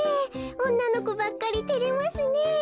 おんなのこばっかりてれますねえ。